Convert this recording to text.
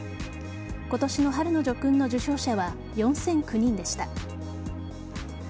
今年の春の叙勲の受章者は４００９人でした。